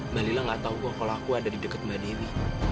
mbak lila gak tahu wah kalau aku ada di dekat mbak delhi